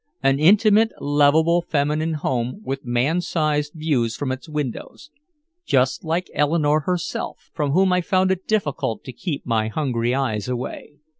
An intimate, lovable feminine home with man sized views from its windows just like Eleanore herself, from whom I found it difficult to keep my hungry eyes away.